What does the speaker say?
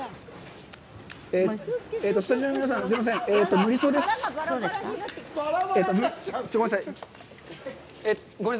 スタジオの皆さん、すいません。